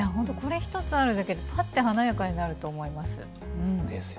これ１つあるだけでぱっと華やかになると思います。